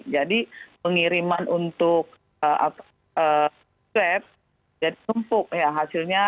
jadi pengiriman untuk swab jadi sumpuk ya hasilnya